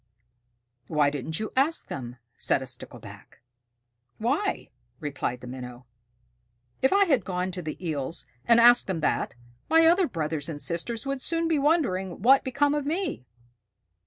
"Why didn't you ask them?" said a Stickleback. "Why?" replied the Minnow. "If I had gone to the Eels and asked them that, my other brothers and sisters would soon be wondering what had become of me."